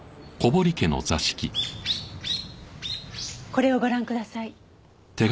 これをご覧ください。